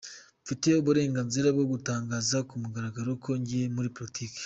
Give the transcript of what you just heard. Mfite uburenganzira bwo gutangaza ku mugaragaro ko ngiye muri politike’.